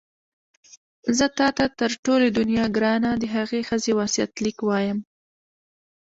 زه تا ته تر ټولې دنیا ګرانه د هغې ښځې وصیت لیک وایم.